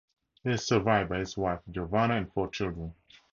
He is survived by his wife, Giovanna, and four children.